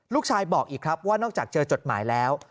ลูกชายบอกอีกครับว่านอกจากเจอจดหมายแล้ว